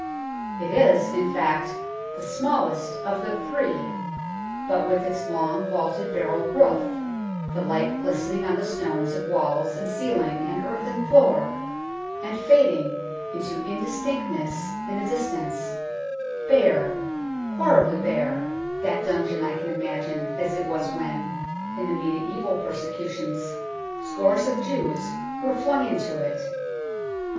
It is, in fact, the smallest of the three, but with its long vaulted barrel roof, the light glistening on the stones of walls and ceiling and earthen floor, and fading into indistinctness in the distance, bare horribly bare that dungeon I can imagine as it was when, in the mediaeval persecutions, scores of Jews were flung into it.